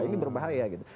ini berbahaya gitu